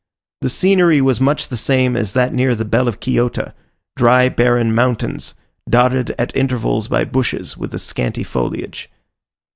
The scenery was much the same as that near the Bell of Quillota dry barren mountains, dotted at intervals by bushes with a scanty foliage.